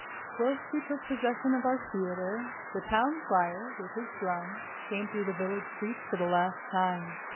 Whilst we took possession of our theater, the town crier, with his drum, came through the village streets for the last time.